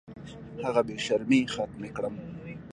هغه بې شرمۍ ختمې کړم.